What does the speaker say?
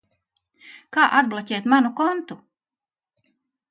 Kā atbloķēt manu kontu?